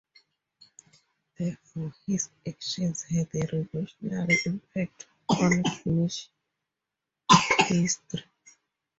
Therefore his actions had a revolutionary impact on Finnish history.